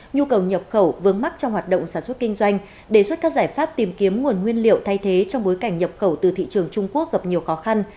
nhu cầu nhập khẩu vướng mắc trong hoạt động sản xuất kinh doanh đề xuất các giải pháp tìm kiếm nguồn nguyên liệu thay thế trong bối cảnh nhập khẩu từ thị trường trung quốc gặp nhiều khó khăn